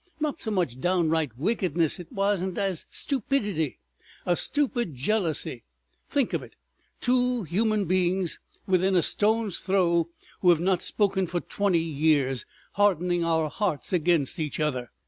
Not so much downright wickedness it wasn't as stupidity. A stupid jealousy! Think of it!—two human beings within a stone's throw, who have not spoken for twenty years, hardening our hearts against each other!"